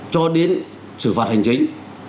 cho đến xử phạt hành chính